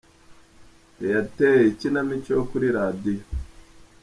Teyatere” : Ikinamico yo kuri radio.